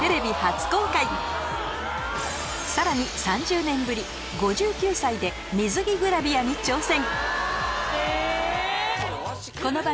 さらに３０年ぶり５９歳で水着グラビアに挑戦